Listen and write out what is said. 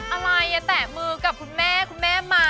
อะไรแตะมือกับคุณแม่คุณแม่มา